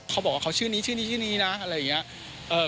เขาบอกว่าเขาชื่อนี้นะอะไรอย่างนี้